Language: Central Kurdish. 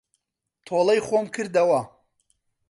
تۆڵەی خۆم کردەوە.